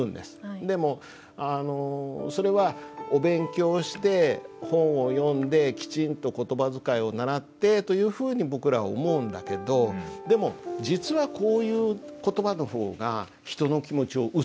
でもあのそれはお勉強をして本を読んできちんと言葉遣いを習ってというふうに僕らは思うんだけどでも実はこういう言葉の方が人の気持ちを打つ。